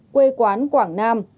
quê quán quảng nam